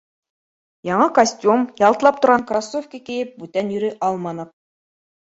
Яңы костюм, ялтлап торған кроссовки кейеп бүтән йөрөй алманыҡ.